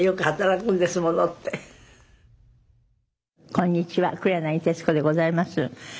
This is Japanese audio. こんにちは黒柳徹子でございます。